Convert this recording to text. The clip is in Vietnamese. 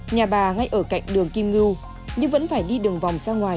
nhà bà ngay ở cạnh đường kim ngưu nhưng vẫn phải đi đường vòng ra ngoài